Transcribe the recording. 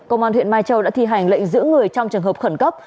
công an huyện mai châu đã thi hành lệnh giữ người trong trường hợp khẩn cấp